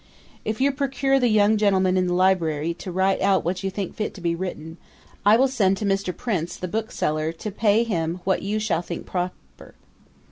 'If you procure the young gentleman in the library to write out what you think fit to be written, I will send to Mr. Prince the bookseller to pay him what you shall think proper.